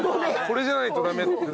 これじゃないとダメって。